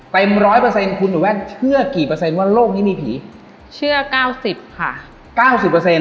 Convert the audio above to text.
เต็มร้อยเปอร์เซ็นต์คุณหนูแว่นเชื่อกี่เปอร์เซ็นต์ว่าโลกนี้มีผีเชื่อเก้าสิบค่ะเก้าสิบเปอร์เซ็น